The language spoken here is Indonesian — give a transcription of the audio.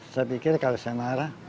saya pikir kalau saya marah